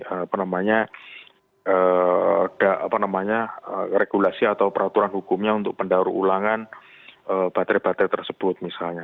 apa namanya regulasi atau peraturan hukumnya untuk pendaur ulangan baterai baterai tersebut misalnya